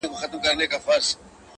چي يو ځل يوه ماشوم ږغ كړه په زوره؛